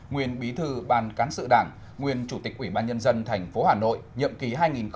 nguyên bí thư ban cán sự đảng nguyên chủ tịch ủy ban nhân dân tp hà nội nhiệm kỳ hai nghìn một mươi sáu hai nghìn hai mươi một